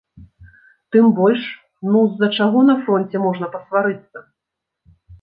Тым больш, ну, з-за чаго на фронце можна пасварыцца?!